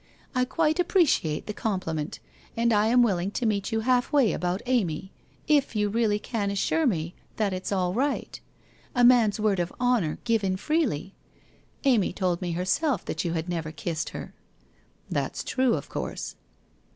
I quite ap preciate the compliment, and I am willing to meet you halfway about Amy, if you really can assure me that it's all right? A man's word of honour given freely! Amy told me herself that you had never kissed her.' ' That's true, of course.'